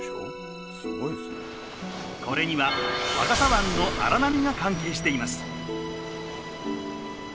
これには若狭湾の荒波が関係しています。